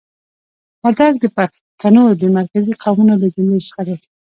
وردګ د پښتنو د مرکزي قومونو له جملې څخه دي.